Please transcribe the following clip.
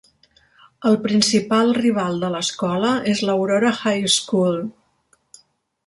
El principal rival de l'escola és l'Aurora High School.